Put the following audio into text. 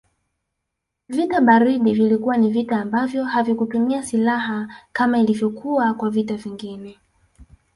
Vita baridi vilikuwa ni vita ambavyo havikutumia siilaha kama ilivyo kwa vita vingine